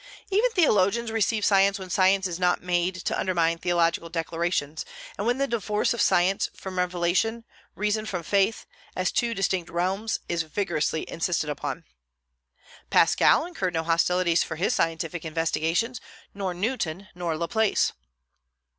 Even theologians receive science when science is not made to undermine theological declarations, and when the divorce of science from revelation, reason from faith, as two distinct realms, is vigorously insisted upon. Pascal incurred no hostilities for his scientific investigations, nor Newton, nor Laplace.